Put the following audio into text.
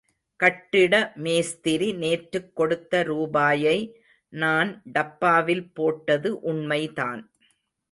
கட்டிட மேஸ்திரி நேற்றுக் கொடுத்த ரூபாயை நான் டப்பாவில் போட்டது உண்மைதான்.